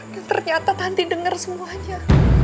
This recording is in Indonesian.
dan ternyata tanti dengar semuanya